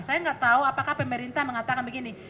saya nggak tahu apakah pemerintah mengatakan begini